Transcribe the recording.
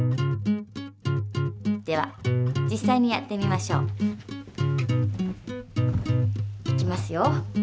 では実際にやってみましょう。いきますよ。